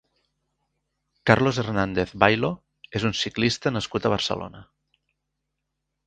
Carlos Hernández Bailo és un ciclista nascut a Barcelona.